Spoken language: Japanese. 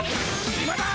今だ！